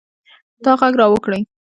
تا ږغ را وکړئ.